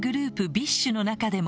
ＢｉＳＨの中でも？